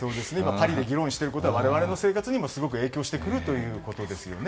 パリで議論していることは我々の生活にもすごく影響してくるということですよね。